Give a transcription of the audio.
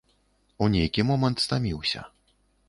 У нейкі момант стаміўся.